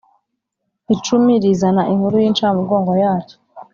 Icumi rizana inkuru y incamugongo ya cyo